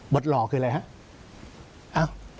บทหล่อคืออะไรครับ